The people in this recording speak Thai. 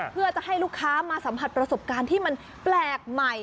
เพื่อจะให้ลูกค้ามาสัมผัสประสบการณ์ที่มันแปลกใหม่